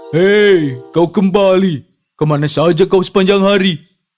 hei kau kembali kemana saja kau sepanjang hari